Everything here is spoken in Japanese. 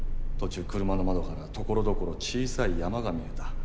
途中車の窓からところどころ小さい山が見えた。